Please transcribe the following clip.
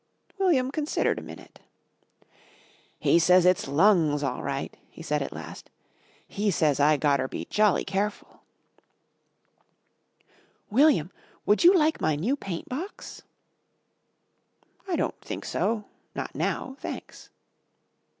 William considered a minute. "He says it's lungs all right," he said at last. "He says I gotter be jolly careful." "William, would you like my new paintbox?" "I don't think so. Not now. Thanks."